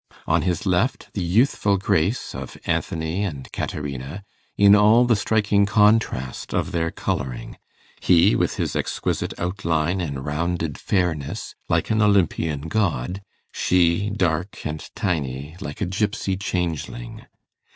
On his left, the youthful grace of Anthony and Caterina, in all the striking contrast of their colouring he, with his exquisite outline and rounded fairness, like an Olympian god; she, dark and tiny, like a gypsy changeling.